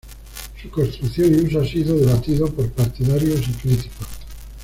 Su construcción y uso ha sido debatido por partidarios y críticos.